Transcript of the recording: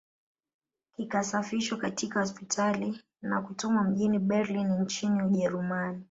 Kikasafishwa katika hospitali na kutumwa mjini Berlin nchini Ujerumani